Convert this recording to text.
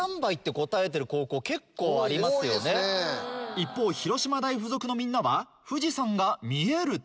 一方広島大附属のみんなは「富士山が見える所」。